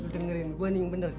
dengerin gue nih yang bener